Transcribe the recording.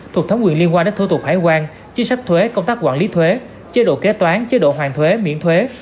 thuộc thấm quyền liên quan đến thủ tục hải quan chính sách thuế công tác quản lý thuế chế độ kế toán chế độ hoàn thuế miễn thuế